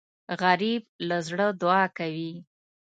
غریب له زړه دعا کوي